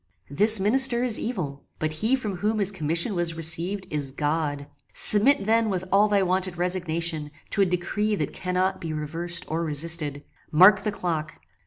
This minister is evil, but he from whom his commission was received is God. Submit then with all thy wonted resignation to a decree that cannot be reversed or resisted. Mark the clock.